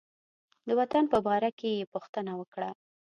د وطن په باره کې یې پوښتنه وکړه.